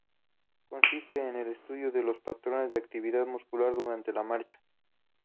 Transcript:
Consiste en el estudio de los patrones de actividad muscular durante la marcha.